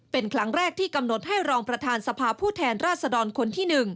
เป็นครั้งแรกที่กำหนดให้รองประธานสภาผู้แทนราชดรคนที่๑